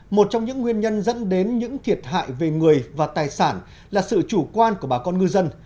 một trong những nguyên nhân dẫn đến những thiệt hại về người và tài sản là sự chủ quan của bà con ngư dân